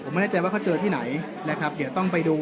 ไม่แน่ใจว่าเขาเจอที่ไหนนะครับเดี๋ยวต้องไปดู